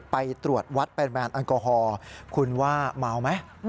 ไปตรวจวัดปริมาณแอลกอฮอล์คุณว่าเมาไหม